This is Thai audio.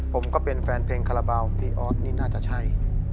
ผมก็เป็นแฟนเพลงคาราบาลพี่ออสนี่น่าจะใช่